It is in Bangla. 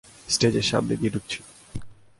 স্টেজের সামনে দিয়ে ঢুকছি।